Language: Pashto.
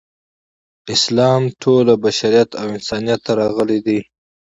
اسلام ټول بشریت او انسانیت ته راغلی دی.